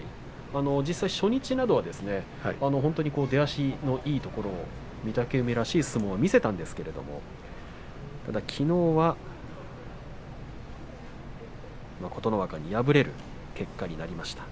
実際、初日などは本当に出足のいいところ御嶽海らしい相撲を見せたんですけれどもきのうは琴ノ若に敗れる結果になりました。